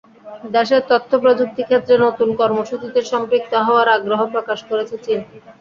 দেশের তথ্যপ্রযুক্তি ক্ষেত্রে নতুন কর্মসূচিতে সম্পৃক্ত হওয়ার আগ্রহ প্রকাশ করেছে চীন।